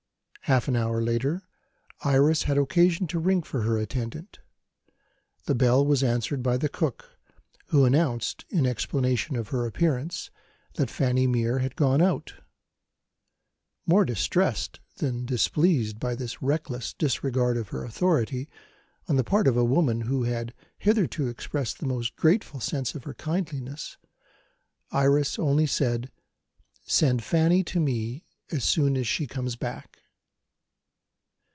Half an hour later, Iris had occasion to ring for her attendant. The bell was answered by the cook who announced, in explanation of her appearance, that Fanny Mere had gone out. More distressed than displeased by this reckless disregard of her authority, on the part of a woman who had hitherto expressed the most grateful sense of her kindness, Iris only said: "Send Fanny to me as soon as she comes back."